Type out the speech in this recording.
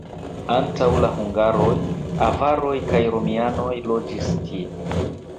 Antaŭ la hungaroj avaroj kaj romianoj loĝis tie.